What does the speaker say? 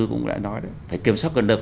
cũng đã nói phải kiểm soát quyền lực